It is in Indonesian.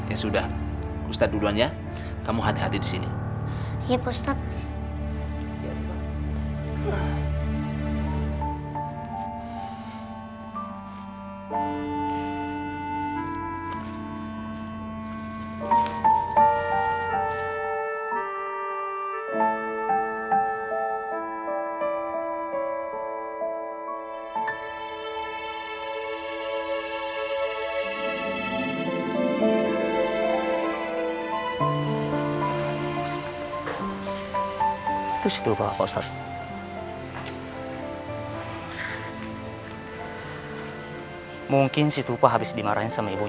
akhirnya kamu mau mel psychologyorman